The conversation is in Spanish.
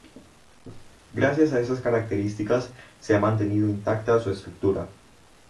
Gracias a esas características se ha mantenido intacta su estructura.